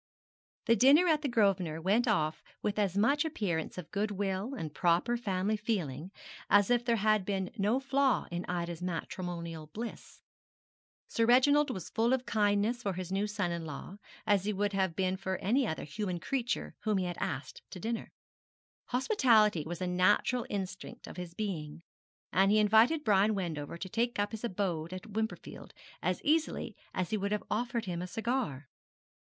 The dinner at the Grosvenor went off with as much appearance of goodwill and proper family feeling as if there had been no flaw in Ida's matrimonial bliss. Sir Reginald was full of kindness for his new son in law: as he would have been for any other human creature whom he had asked to dinner. Hospitality was a natural instinct of his being, and he invited Brian Wendover to take up his abode at Wimperfield as easily as he would have offered him a cigar.